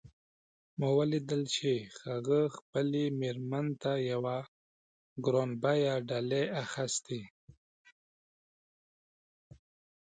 ما ولیدل چې هغه خپلې میرمن ته یوه ګران بیه ډالۍ اخیستې